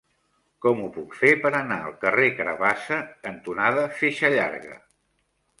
Com ho puc fer per anar al carrer Carabassa cantonada Feixa Llarga?